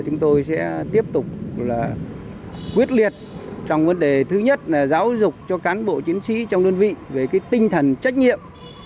chúng tôi sẽ tiếp tục quyết liệt trong vấn đề thứ nhất là giáo dục cho cán bộ chiến sĩ trong đơn vị về tinh thần trách nhiệm